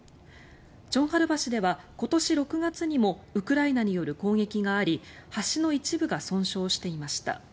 チョンハル橋では今年６月にもウクライナによる攻撃があり橋の一部が損傷していました。